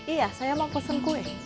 iya saya mau pesen kue